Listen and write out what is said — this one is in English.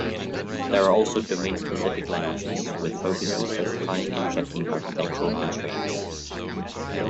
There are also domain-specific languages with focus on specifying and checking architectural constraints.